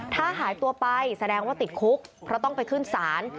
ถ้าหายตัวไปแสดงว่าติดคุกเพราะต้องไปขึ้นศาล